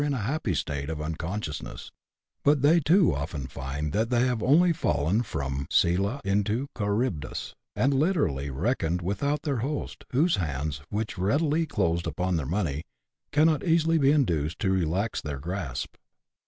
in a happy state of unconsciousness ; but they too often find that they have only fallen from Scylla into Charybdis, and literally ^' reckoned without their host," whose hands, which readily closed upon their money, cannot easily be induced to relax their grasp.